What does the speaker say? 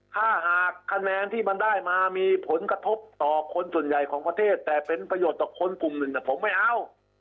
ถ้าหากคะแนนที่มันได้มามีผลกระทบต่อคนส่วนใหญ่ของประเทศแต่เป็นประโยชน์ต่อคนกลุ่มหนึ่งผมไม่เอา